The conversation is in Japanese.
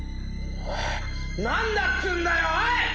おい何だっつうんだよおい！